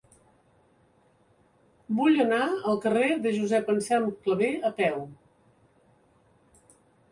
Vull anar al carrer de Josep Anselm Clavé a peu.